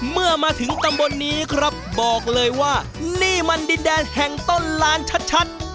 เมื่อมาถึงตำบลนี้ครับบอกเลยว่านี่มันดินแดนแห่งต้นลานชัด